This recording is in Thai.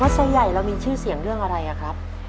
ไซใหญ่เรามีชื่อเสียงเรื่องอะไรครับ